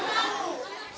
satu dua tiga empat